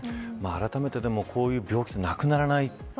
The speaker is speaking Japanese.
あらためて、でもこういう病気ってなくならない。